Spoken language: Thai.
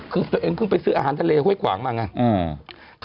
คือตัวเองเพิ่งไปซื้ออาหารทะเลห้วยขวางมาไง